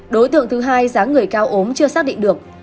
đối tượng thứ hai giá người cao ốm chưa xác định được